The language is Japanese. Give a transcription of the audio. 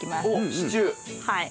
はい。